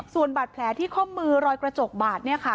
ส่วนบาดแผลที่ข้อมือรอยกระจกบาดเนี่ยค่ะ